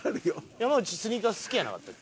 山内スニーカー好きやなかったっけ？